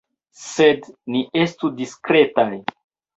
Sed ni estu diskretaj.